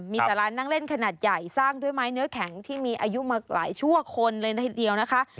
มีแต่ร้านนั่งเล่นขนาดใหญ่สร้างด้วยไม้เนื้อแข็งที่มีอายุมาหลายชั่วคนเลยทีเดียวนะคะ